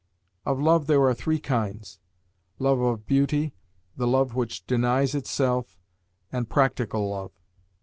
Of love there are three kinds love of beauty, the love which denies itself, and practical love.